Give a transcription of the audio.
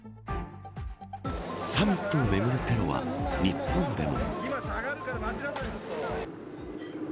サミットをめぐるテロは日本でも。